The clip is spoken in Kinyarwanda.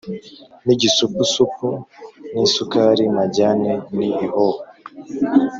Nigisupusupu nisukari majyane ni ihoho